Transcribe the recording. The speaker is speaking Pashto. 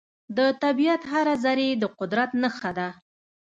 د طبیعت هره ذرې د قدرت نښه ده.